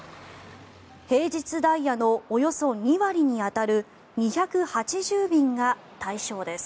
平日ダイヤのおよそ２割に当たる２８０便が対象です。